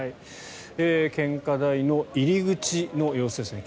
献花台の入り口の様子ですね。